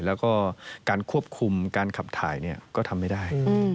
แล้วก็การควบคุมการขับถ่ายก็ทำไม่ได้